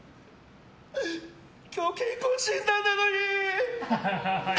今日健康診断なのに。